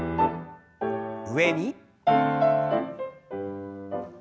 上に。